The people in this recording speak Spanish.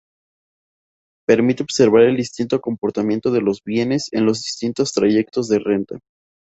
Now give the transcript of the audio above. Permite observar el distinto comportamiento de los bienes en los distintos trayectos de renta.